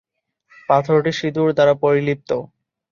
পাথরটি সিঁদুর দ্বারা পরিলিপ্ত।